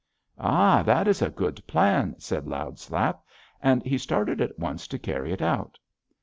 "'Ai! That is a good plan,' said Loud Slap; and he started at once to carry it out.